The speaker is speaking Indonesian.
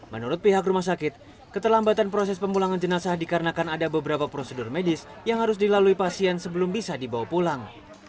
menurut pihak rumah sakit keterlambatan proses pemulangan jenazah dikarenakan ada beberapa prosedur medis yang harus dilalui pasien sebelum bisa dibawa pulang